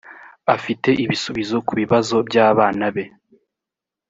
afite ibisubizo ku bibazo byabana be.